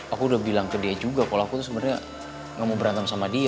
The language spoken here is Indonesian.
aku udah bilang ke dia juga kalau aku tuh sebenarnya gak mau berantem sama dia